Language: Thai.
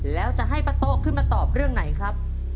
แล้วจะให้ป้าโต๊ะขึ้นมาตอบเรื่องไหนครับ